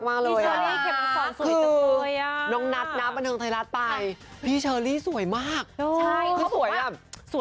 เป็นอย่างจะมีใจไหมครับ